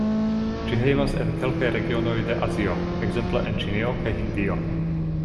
Ĝi hejmas en kelkaj regionoj de Azio, ekzemple en Ĉinio kaj Hindio.